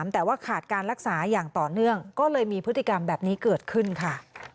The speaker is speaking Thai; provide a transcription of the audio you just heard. แต่ว่าขาดการรักษาอย่างต่อเนื่องก็เลยมีพฤติกรรมแบบนี้เกิดขึ้นค่ะ